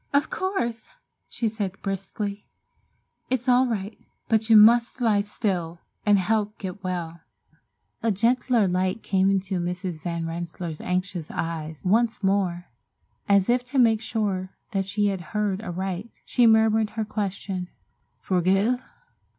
"Of course!" she said briskly, "it's all right, but you must lie still and help get well." A gentler light came into Mrs. Van Rensselaer's anxious eyes. Once more, as if to make sure that she had heard aright, she murmured her question, "Forgive?"